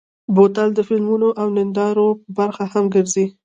بوتل د فلمونو او نندارو برخه هم ګرځي.